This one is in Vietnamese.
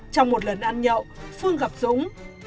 trong một lần ăn nhậu phương gặp dũng